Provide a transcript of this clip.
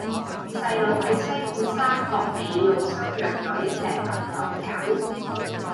細佬喺西貢沙角尾路收養左一隻流浪狗